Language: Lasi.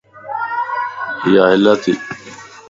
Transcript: اِيا هلّا تي